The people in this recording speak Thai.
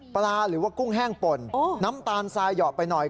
หรือว่ากุ้งแห้งป่นน้ำตาลทรายเหยาะไปหน่อย